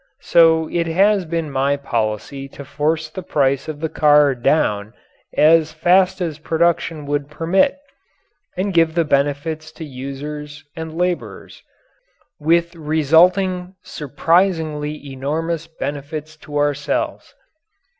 So it has been my policy to force the price of the car down as fast as production would permit, and give the benefits to users and labourers with resulting surprisingly enormous benefits to ourselves.